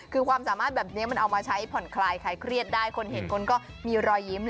คือความสามารถแบบนี้มันเอามาใช้ผ่อนคลายใครเครียดได้คนเห็นคนก็มีรอยยิ้ม